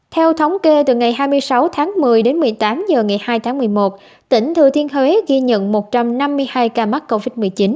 theo thống kê từ ngày hai mươi sáu tháng một mươi đến một mươi tám h ngày hai tháng một mươi một tỉnh thừa thiên huế ghi nhận một trăm năm mươi hai ca mắc covid một mươi chín